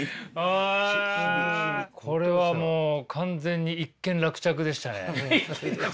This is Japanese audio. これはもう完全に一件落着でしたね。